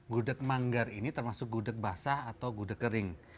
gudeg manggar ini termasuk gudeg basah atau gudeg kering